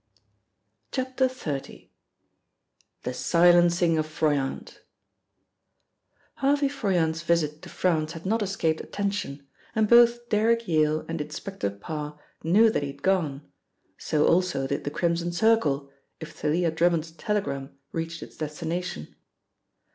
XXX. — THE SILENCING OF FROYANT HARVEY FROYANT'S visit to France had not escaped attention, and both Derrick Yale and Inspector Parr knew that he had gone; so also did the Crimson Circle, if Thalia Drummond's telegram reached its destination.